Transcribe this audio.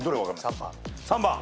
３番。